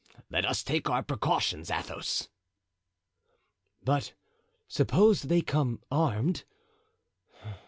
Let us take our precautions, Athos." "But suppose they come unarmed?